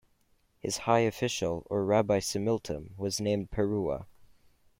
His high official, or "rabi simmiltim", was named Peruwa.